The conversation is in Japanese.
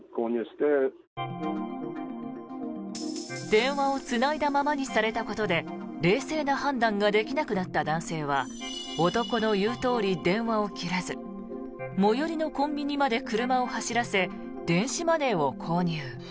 電話をつないだままにされたことで冷静な判断ができなくなった男性は男の言うとおり電話を切らず最寄りのコンビニまで車を走らせ電子マネーを購入。